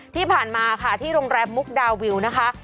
ที่ผ่านมาค่ะที่โรงแรมมุกดาวิวนะคะ